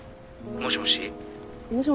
もしもし。